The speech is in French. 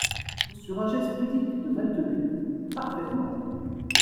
Sur un geste pudique de Maltenu. … parfaitement !…